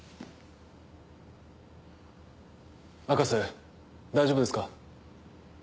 博士大丈夫ですか？